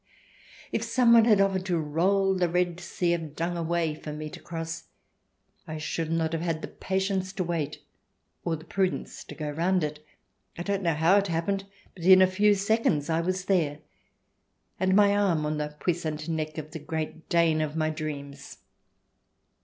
If someone had offered to roll the Red Sea of dung away for me to cross, I should not have had the patience to wait or the prudence to go round it. I don't know how it happened, but in a few seconds I was there, and my arm on the puissant neck of the Great Dane of my dreams.